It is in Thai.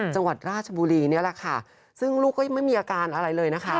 จังหวัดราชบุรีนี่แหละค่ะซึ่งลูกก็ยังไม่มีอาการอะไรเลยนะคะ